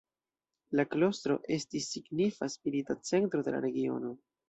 La klostro estis signifa spirita centro de la regiono.